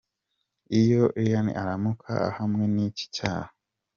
Iyo Iryn aramuka ahamwe niki cyaha.